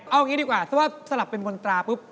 เอางี้ดีกว่าถ้าว่าสลับเป็นมนตราปุ๊บ